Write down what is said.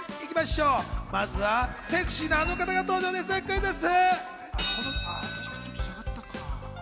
まずはセクシーなあの方が登場です、クイズッス！